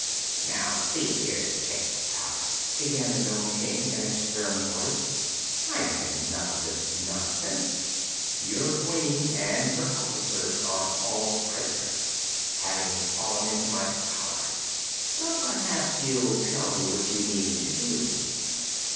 "Now, see here, Tik Tok," began the Nome King, in a stern voice, "I've had enough of this nonsense. Your Queen and her officers are all prisoners, having fallen into my power, so perhaps you'll tell me what you mean to do."